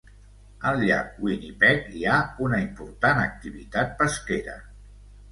Al llac Winnipeg hi ha una important activitat pesquera.